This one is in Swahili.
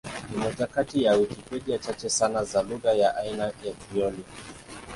Ni moja kati ya Wikipedia chache sana za lugha ya aina ya Krioli.